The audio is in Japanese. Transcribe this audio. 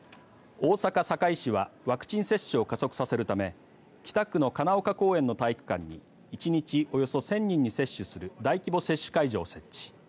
大阪堺市はワクチン接種を加速させるため北区の金岡公園の体育館に１日およそ１０００人に接種する大規模接種会場を設置。